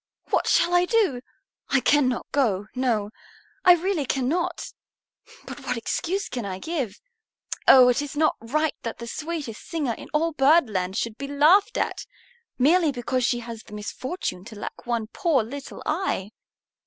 What shall I do? I cannot go, no, I really cannot. But what excuse can I give? Oh, it is not right that the sweetest singer in all Birdland should be laughed at, merely because she has the misfortune to lack one poor little eye!"